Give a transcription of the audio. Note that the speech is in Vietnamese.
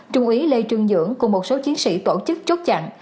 trung úy lê trương dưỡng cùng một số chiến sĩ tổ chức chốt chặn